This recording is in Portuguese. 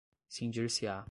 cindir-se-á